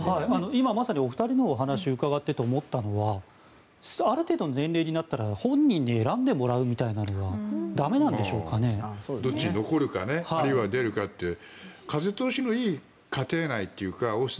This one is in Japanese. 今まさにお二人のお話を伺って思ったのはある程度の年齢になったら本人に選んでもらうみたいなのは残るかあるいは出るかっていう。